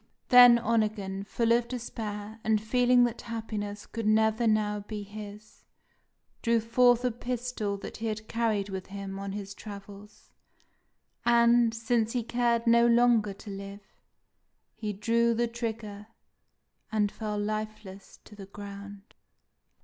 Then Onegin, full of despair, and feeling that happiness could never now be his, drew forth a pistol that he had carried with him on his travels; and, since he cared no longer to live, he drew the trigger, and fell lifeless to the ground!